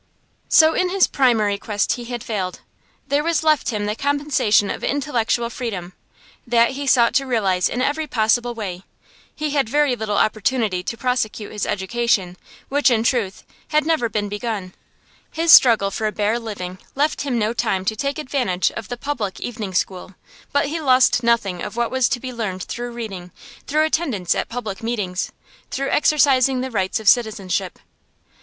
So in his primary quest he had failed. There was left him the compensation of intellectual freedom. That he sought to realize in every possible way. He had very little opportunity to prosecute his education, which, in truth, had never been begun. His struggle for a bare living left him no time to take advantage of the public evening school; but he lost nothing of what was to be learned through reading, through attendance at public meetings, through exercising the rights of citizenship.